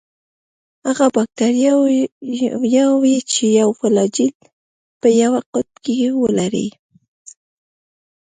هغه باکتریاوې چې یو فلاجیل په یوه قطب کې ولري.